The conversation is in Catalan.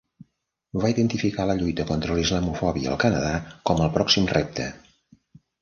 Va identificar la lluita contra la islamofòbia al Canadà com el pròxim repte.